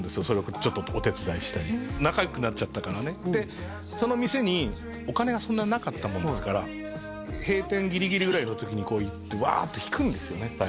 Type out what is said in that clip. それをちょっとお手伝いしたり仲良くなっちゃったからねその店にお金がそんなになかったもんですから閉店ギリギリぐらいの時に行ってワーッと弾くんですよね